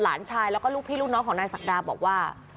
หลานชายแล้วก็ลูกพี่ลูกน้องของนายศักดาบอกว่า